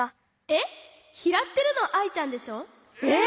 えっ？きらってるのはアイちゃんでしょ？